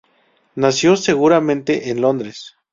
Nació seguramente en Londres.